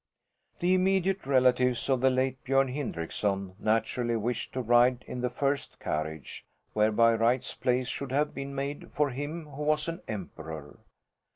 The immediate relatives of the late Björn Hindrickson naturally wished to ride in the first carriage, where by rights place should have been made for him who was an emperor.